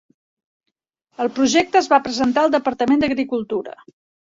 El projecte es va presentar al Departament d'Agricultura.